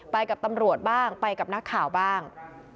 ไปกับตำรวจบ้างไปกับนักข่าวบ้าง